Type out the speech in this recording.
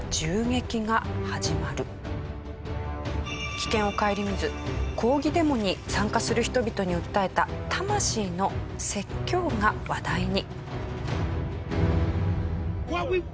危険を顧みず抗議デモに参加する人々に訴えた魂の説教が話題に。